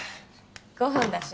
５分だしね。